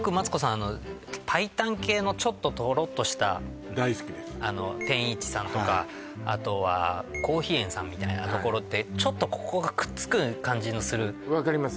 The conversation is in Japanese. あの白湯系のちょっとトロッとした大好きです天一さんとかあとは香妃園さんみたいなところってちょっとここがくっつく感じのする分かります